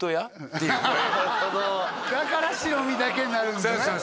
ってだから白身だけになるんですね